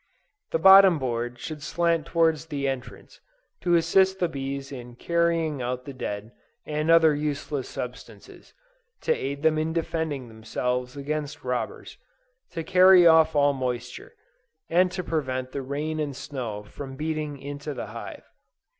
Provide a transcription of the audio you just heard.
18. The bottom board should slant towards the entrance, to assist the bees in carrying out the dead, and other useless substances; to aid them in defending themselves against robbers; to carry off all moisture; and to prevent the rain and snow from beating into the hive.